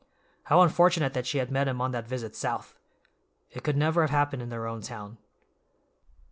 How unfortunate that she had met him on that visit South! It could never have happened in their own town.